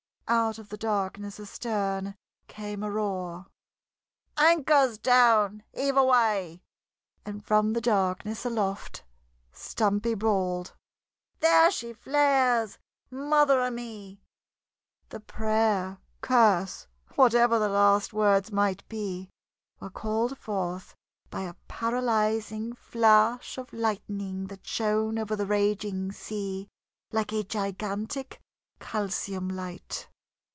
Out of the darkness astern came a roar: "Anchor's down! Heave away!" And from the darkness aloft Stumpy bawled: "There she flares! Mother o' me!" The prayer, curse, whatever the last words might be, were called forth by a paralyzing flash of lightning that shone over the raging sea like a gigantic calcium light.